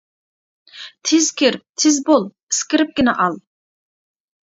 -تېز كىر، تېز بول، ئىسكىرىپكىنى ئال!